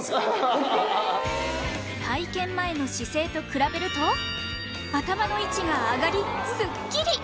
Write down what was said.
体験前の姿勢と比べると頭の位置が上がりスッキリ！